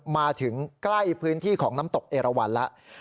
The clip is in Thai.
มาถึงใกล้พื้นที่ของน้ำตกเอราวันแล้ว